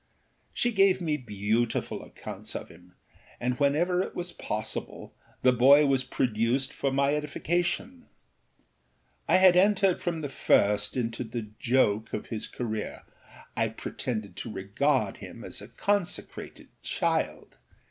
She gave me beautiful accounts of him, and whenever it was possible the boy was produced for my edification. I had entered from the first into the joke of his careerâI pretended to regard him as a consecrated child.